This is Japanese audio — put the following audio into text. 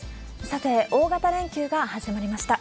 さて、大型連休が始まりました。